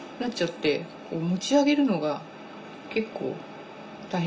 こう持ち上げるのが結構大変。